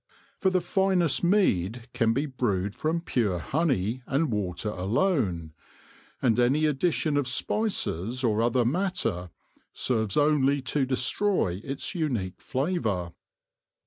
For the finest mead can be brewed from pure honey and water alone, and any addition of spices or other matter serves only to destroy its unique flavour.